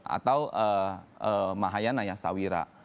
atau mahayana ya stavira